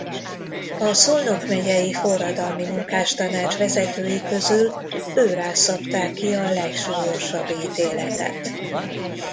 A Szolnok Megyei Forradalmi Munkástanács vezetői közül ő rá szabták ki a legsúlyosabb ítéletet.